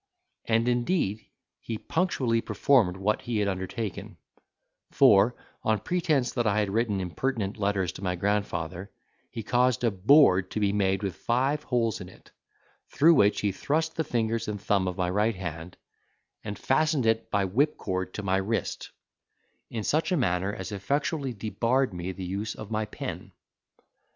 And, indeed, he punctually performed what he had undertaken; for, on pretence that I had written impertinent letters to my grandfather, he caused a board to be made with five holes in it, through which he thrust the fingers and thumb of my right hand, and fastened it by whipcord to my wrist, in such a manner as effectually debarred me the use of my pen.